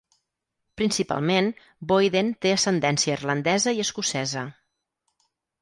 Principalment, Boyden té ascendència irlandesa i escocesa.